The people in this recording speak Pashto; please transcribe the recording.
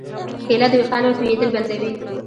کېله د ویښتانو تویېدل بندوي.